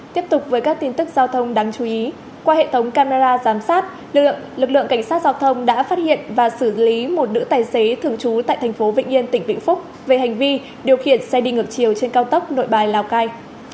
tiếp tục với các tin tức giao thông đáng chú ý qua hệ thống camera giám sát lực lượng cảnh sát giao thông đã phát hiện và xử lý một nữ tài xế thường trú tại thành phố vĩnh yên tỉnh vĩnh phúc về hành vi điều khiển xe đi ngược chiều trên cao tốc nội bài lào cai